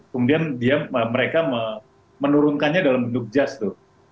kemudian dia mereka menurunkannya dalam bentuk jas tuh